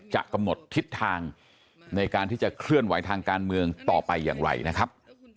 จะกำหนดทิศทางในการที่จะเคลื่อนไหวทางการเมืองต่อไปอย่างไรนะครับ